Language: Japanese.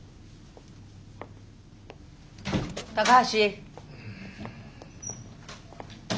高橋。